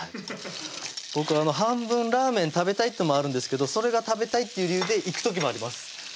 僕半分ラーメン食べたいってのもあるんですけどそれが食べたいっていう理由で行く時もあります